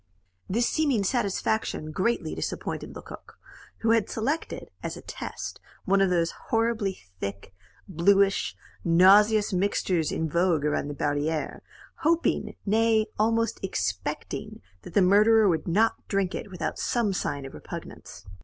This seeming satisfaction greatly disappointed Lecoq, who had selected, as a test, one of those horribly thick, bluish, nauseous mixtures in vogue around the barrieres hoping, nay, almost expecting, that the murderer would not drink it without some sign of repugnance.